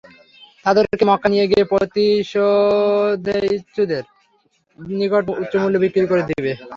তাদেরকে মক্কায় নিয়ে গিয়ে প্রতিশোধেছুদের নিকট উচ্চমূল্যে বিক্রি করে দিবে।